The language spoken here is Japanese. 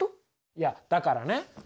いやだからね